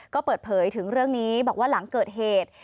ก็เปิดเผยถึงเรื่องนี้บอกว่าหลังเกิดเหตุ